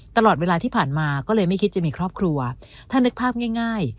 ตลอดเวลาที่ผ่านมาก็เลยไม่คิดจะมีครอบครัวถ้านึกภาพง่าย